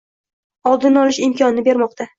Oldini olish imkonini bermoqda